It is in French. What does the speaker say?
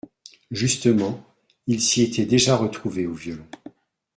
justement, il s’y était déjà retrouvé, au violon.